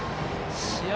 試合